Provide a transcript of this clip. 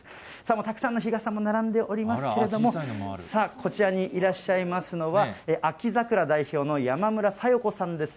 たくさんの日傘も並んでおりますけれども、こちらにいらっしゃいますのは、あきざくら代表の山村沙世子さんです。